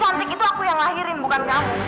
nanti itu aku yang lahirin bukan kamu